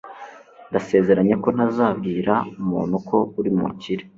Ndasezeranye ko ntazabwira umuntu ko uri umukire